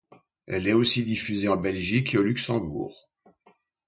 Elle est aussi diffusée en Belgique et au Luxembourg.